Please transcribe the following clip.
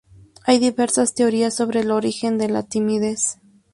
Hay diversas teorías sobre el origen de la timidez.